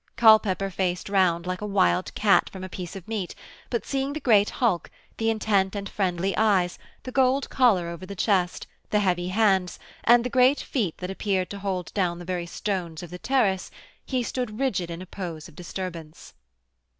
Culpepper faced round like a wild cat from a piece of meat, but seeing the great hulk, the intent and friendly eyes, the gold collar over the chest, the heavy hands, and the great feet that appeared to hold down the very stones of the terrace, he stood rigid in a pose of disturbance.